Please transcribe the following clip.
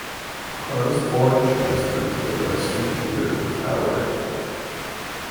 Osborn transferred to the Western theater with Howard.